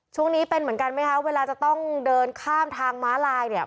ช่วงนี้เป็นเหมือนกันไหมคะเวลาจะต้องเดินข้ามทางม้าลายเนี่ย